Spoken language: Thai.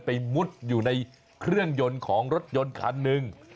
มุดอยู่ในเครื่องยนต์ของรถยนต์คันหนึ่ง